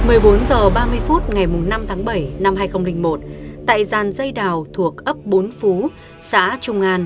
một mươi bốn h ba mươi phút ngày năm tháng bảy năm hai nghìn một tại gian dây đào thuộc ấp bốn phú xã trung an